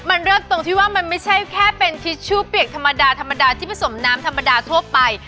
มันเริ่มตรงที่ว่ามันไม่ใช่แค่เป็นทิชชู่เปียกธรรมดาธรรมดาที่ผสมน้ำธรรมดาทั่วไป